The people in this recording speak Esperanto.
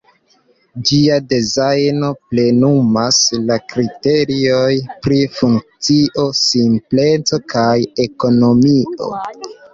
Ĝia dezajno plenumas la kriteriojn pri funkcio, simpleco kaj ekonomio.